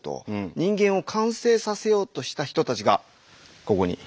人間を完成させようとした人たちがここに。